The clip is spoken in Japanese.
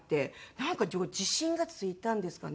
なんか自信がついたんですかね？